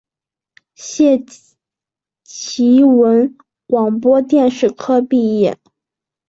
谢其文广播电视科毕业。